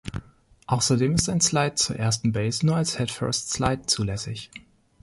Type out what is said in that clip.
Außerdem ist ein Slide zur ersten Base nur als Head First Slide zulässig.